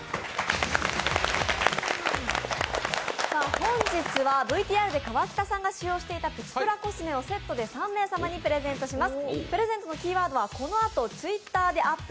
本日はＶＴＲで河北さんが使用していたプチプラコスメをセットで３名様にプレゼントします